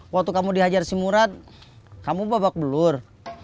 waktu kamu dihajar si murat kamu babak belur